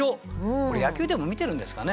これ野球でも見てるんですかね？